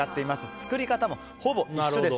作り方もほぼ一緒です。